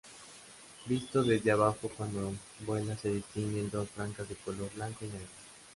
Visto desde abajo cuando vuela se distinguen dos franjas de color blanco y negro.